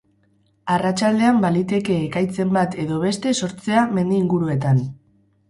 Arratsaldean baliteke ekaitzen bat edo beste sortzea mendi inguruetan.